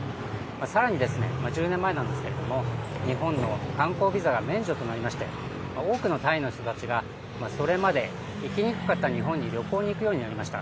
さらに１０年前なんですけれども、日本の観光ビザが免除となりまして、多くのタイの人たちが、それまで行きにくかった日本に旅行に行くようになりました。